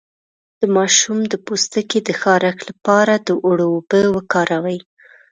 د ماشوم د پوستکي د خارښ لپاره د اوړو اوبه وکاروئ